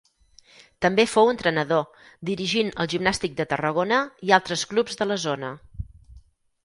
També fou entrenador, dirigint el Gimnàstic de Tarragona i altres clubs de la zona.